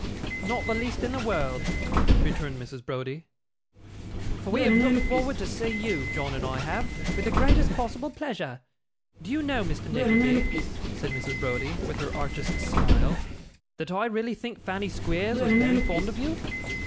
'Not the least in the world,' returned Mrs. Browdie; 'for we have looked forward to see you John and I have with the greatest possible pleasure. Do you know, Mr. Nickleby,' said Mrs. Browdie, with her archest smile, 'that I really think Fanny Squeers was very fond of you?